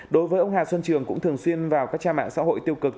đối với ông hà xuân trường cũng thường xuyên vào các trang mạng xã hội tiêu cực